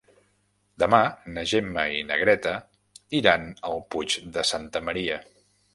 Demà na Gemma i na Greta iran al Puig de Santa Maria.